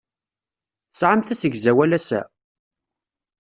Tesɛamt asegzawal ass-a?